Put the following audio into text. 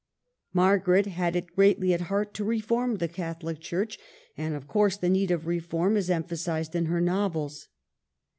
Margaret had it greatly at heart to reform the Catholic Church, and of course the need of reform is emphasized in her novels.